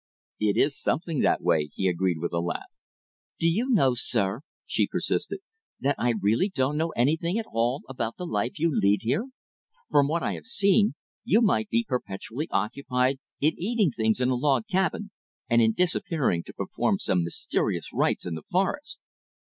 "It is something that way," he agreed with a laugh. "Do you know, sir," she persisted, "that I really don't know anything at all about the life you lead here? From what I have seen, you might be perpetually occupied in eating things in a log cabin, and in disappearing to perform some mysterious rites in the forest."